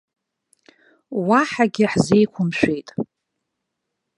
Уаҳагьы ҳзеиқәымшәеит.